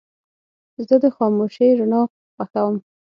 زه د خاموشې رڼا خوښوم.